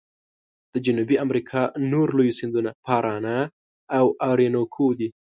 د جنوبي امریکا نور لوی سیندونه پارانا او اورینوکو دي.